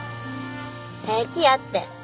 平気やって。